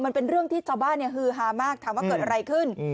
มันเป็นเรื่องที่ชาวบ้านฮือฮามากถามว่าเกิดอะไรขึ้น